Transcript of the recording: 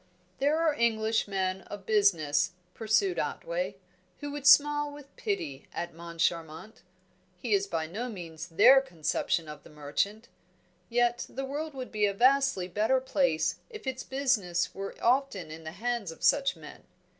"There are English men of business," pursued Otway, "who would smile with pity at Moncharmont. He is by no means their conception of the merchant. Yet the world would be a vastly better place if its business were often in the hands of such men.